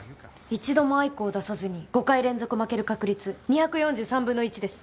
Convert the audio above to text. １度もあいこを出さずに５回連続負ける確率２４３分の１です。